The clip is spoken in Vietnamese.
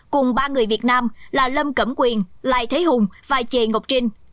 cùng ba người việt nam là lâm cẩm quyền lai thế hùng và chè ngọc trinh